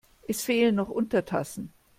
Es fehlen noch Untertassen.